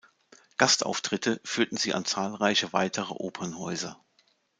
Gastauftritte führten sie an zahlreiche weitere Opernhäuser.